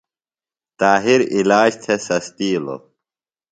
طاہر علاج تھےۡ سستیلوۡ۔